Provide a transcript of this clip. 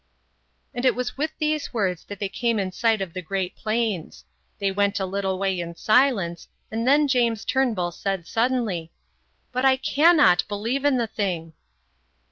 And it was with these words that they came in sight of the great plains. They went a little way in silence, and then James Turnbull said suddenly, "But I cannot believe in the thing."